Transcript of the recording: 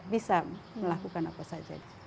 bisa melakukan apa saja